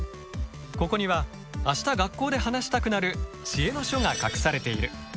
ここには明日学校で話したくなる知恵の書が隠されている。